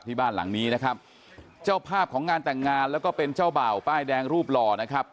บ้านหลังนี้นะครับเจ้าภาพของงานแต่งงานแล้วก็เป็นเจ้าบ่าวป้ายแดงรูปหล่อนะครับ